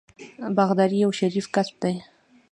باغداري یو شریف کسب دی.